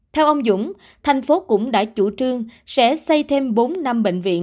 theo ông dũng thành phố cũng đã chủ trương sẽ xây thêm bốn năm bệnh viện